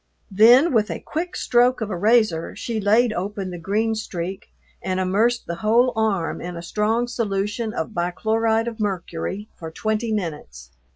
Then with a quick stroke of a razor she laid open the green streak and immersed the whole arm in a strong solution of bichloride of mercury for twenty minutes.